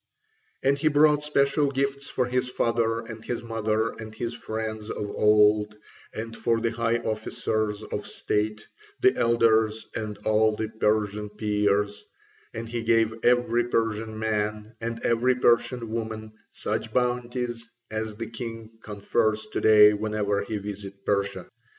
And he brought special gifts for his father and his mother and his friends of old, and for the high officers of state, the elders, and all the Persian Peers; and he gave every Persian man and every Persian woman such bounties as the king confers to day whenever he visits Persia.